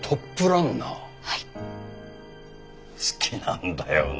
好きなんだよな